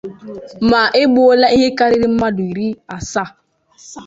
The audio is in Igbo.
na e gbuola ihe karịrị mmadụ iri asaa